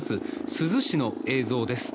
珠洲市の映像です。